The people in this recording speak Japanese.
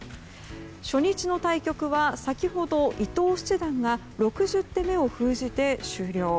初日の対局は先ほど伊藤七段が６０手目を封じて終了。